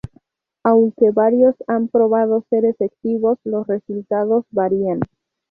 Aunque varios han probado ser efectivos, los resultados varían.